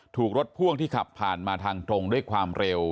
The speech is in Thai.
ถูกรถพ่วงที่ขับผ่านมาทางตรงด้วยความเร็ว